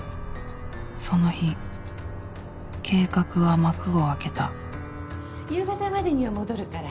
その日計画は幕を開けた夕方までには戻るから。